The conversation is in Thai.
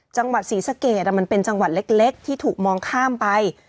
จังหวัดศรีสะเกดมันเป็นจังหวัดเล็กที่ถูกมองข้ามไป